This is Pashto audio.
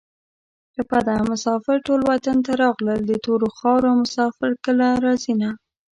ټپه ده: مسافر ټول وطن ته راغلل د تورو خارو مسافر کله راځینه